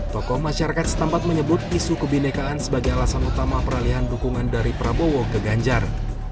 tokoh masyarakat setempat menyebut isu kebinekaan sebagai alasan utama peralihan dukungan dari prabowo ke ganjar